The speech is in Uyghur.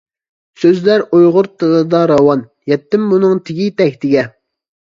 سۆزلەر ئۇيغۇر تىلىدا راۋان، يەتتىم بۇنىڭ تېگى-تەكتىگە.